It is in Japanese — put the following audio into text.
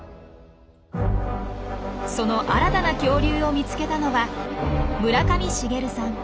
その新たな恐竜を見つけたのは村上茂さん。